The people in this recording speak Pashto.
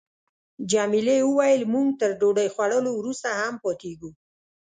جميلې وويل: موږ تر ډوډۍ خوړلو وروسته هم پاتېږو.